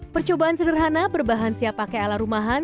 percobaan sederhana berbahan siap pakai ala rumahan